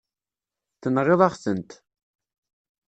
Tenɣiḍ-aɣ-tent.